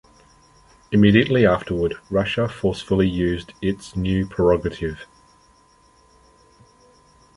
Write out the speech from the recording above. Immediately afterward, Russia forcefully used its new prerogative.